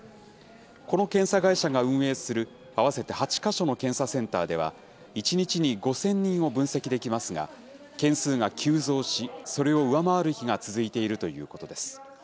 この検査会社が運営する合わせて８か所の検査センターでは、１日に５０００人を分析できますが、件数が急増し、それを上回る日が続いているということです。